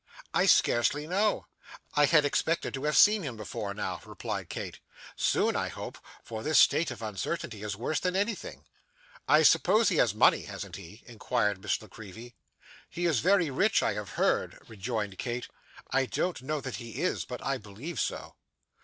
'I scarcely know; I had expected to have seen him before now,' replied Kate. 'Soon I hope, for this state of uncertainty is worse than anything.' 'I suppose he has money, hasn't he?' inquired Miss La Creevy. 'He is very rich, I have heard,' rejoined Kate. 'I don't know that he is, but I believe so.